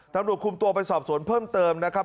ตำรวจคุมตัวไปสอบสวนเพิ่มเติมนะครับ